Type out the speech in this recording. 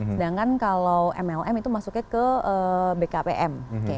sedangkan kalau mlm itu masuknya ke bkpm